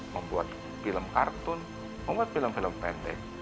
membuat film kartun membuat film film pendek